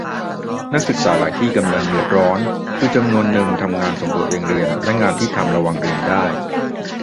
นักศึกษาหลายที่ก็กำลังเดือดร้อน คือจำนวนนึงทำงานส่งตัวเองเรียน และงานที่ทำระหว่างเรียนได้